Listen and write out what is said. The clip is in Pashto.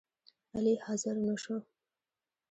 علي حاضر نشو